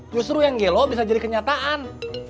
justru yang gelo bisa jadi kenyataan